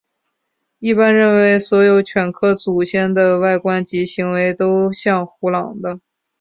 一般认为所有犬科祖先的外观及行为都像胡狼的。